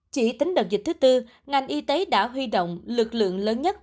chỉ tính đợt dịch thứ tư ngành y tế đã huy động lực lượng lớn nhất